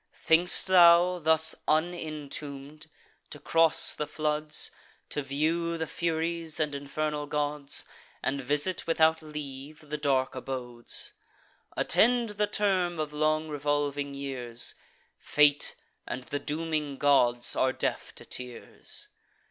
Think'st thou, thus unintomb'd, to cross the floods, To view the Furies and infernal gods, And visit, without leave, the dark abodes? Attend the term of long revolving years; Fate, and the dooming gods, are deaf to tears.